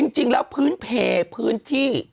จริงแล้วพื้นเพลพื้นที่